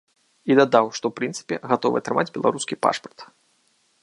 І дадаў, што ў прынцыпе, гатовы атрымаць беларускі пашпарт.